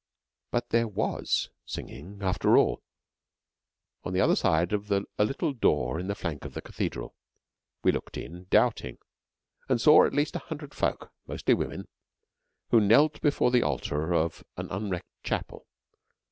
But there was singing after all on the other side of a little door in the flank of the cathedral. We looked in, doubting, and saw at least a hundred folk, mostly women, who knelt before the altar of an unwrecked chapel.